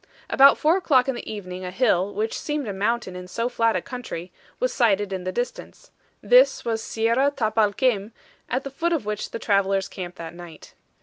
About four o'clock in the evening a hill, which seemed a mountain in so flat a country, was sighted in the distance. This was Sierra Tapalquem, at the foot of which the travelers camped that night.